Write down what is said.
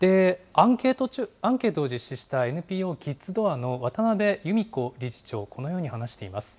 アンケートを実施したＮＰＯキッズドアの渡辺由美子理事長、このように話しています。